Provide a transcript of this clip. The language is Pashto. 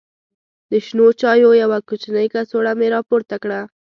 د شنو چایو یوه کوچنۍ کڅوړه مې راپورته کړه.